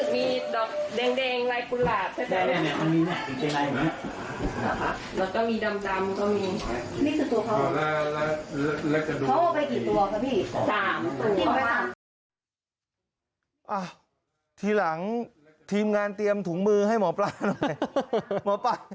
อ้าวอ่าวทีหลังทีมงานเตรียมถุงมือให้หมอปลาหน่อย